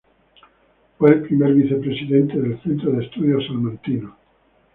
Fue el primer vicepresidente del Centro de Estudios Salmantinos.